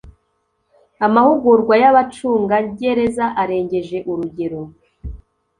Amahugurwa y abacungagereza arengeje urugero